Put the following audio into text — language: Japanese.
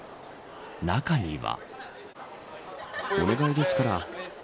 中には。